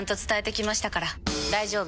大丈夫！